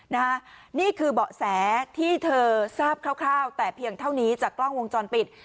นี่คือเบาะแสที่เธอทราบคร่าวแต่เพียงเท่านี้จากกล้องวงจรปิด